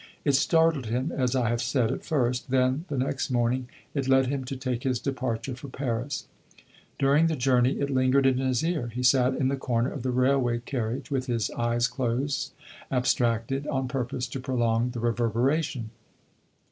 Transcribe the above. It startled him, as I have said, at first; then, the next morning, it led him to take his departure for Paris. During the journey it lingered in his ear; he sat in the corner of the railway carriage with his eyes closed, abstracted, on purpose to prolong the reverberation.